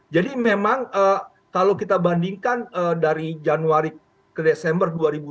jadi memang kalau kita bandingkan dari januari ke desember dua ribu dua puluh satu